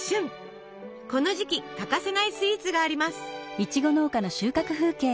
この時期欠かせないスイーツがあります。